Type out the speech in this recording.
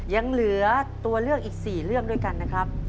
ยังเหลือตัวเลือกอีก๔เรื่องด้วยกันนะครับ